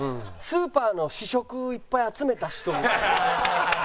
スーパーの試食いっぱい集めた人みたいな。